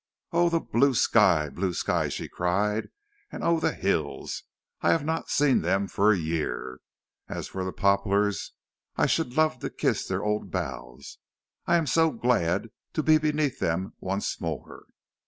"Oh, the blue, blue sky!" she cried, "and oh, the hills! I have not seen them for a year. As for the poplars, I should love to kiss their old boughs, I am so glad to be beneath them once more."